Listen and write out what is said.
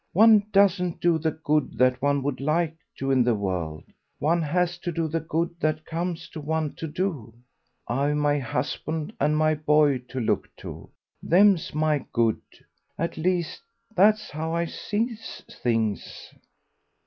One doesn't do the good that one would like to in the world; one has to do the good that comes to one to do. I've my husband and my boy to look to. Them's my good. At least, that's how I sees things."